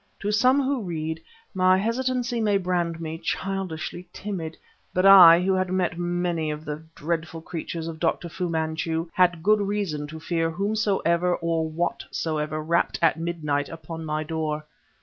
To some who read, my hesitancy may brand me childishly timid; but I, who had met many of the dreadful creatures of Dr. Fu Manchu, had good reason to fear whomsoever or whatsoever rapped at midnight upon my door.